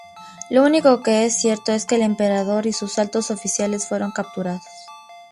Lo único cierto es que el emperador y sus altos oficiales fueron capturados.